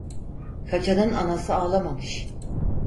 Kaçanın anası ağlamamış.